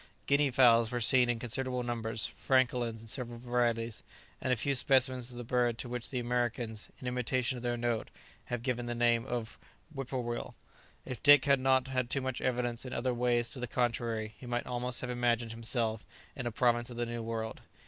Guinea fowls were seen in considerable numbers, francolins in several varieties, and a few specimens of the bird to which the Americans, in imitation of their note, have given the name of "whip poor will." If Dick had not had too much evidence in other ways to the contrary, he might almost have imagined himself in a province of the New World.